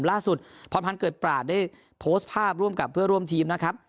พรพันธ์เกิดปราศได้โพสต์ภาพร่วมกับเพื่อร่วมทีมนะครับ